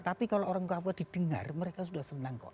tapi kalau orang papua didengar mereka sudah senang kok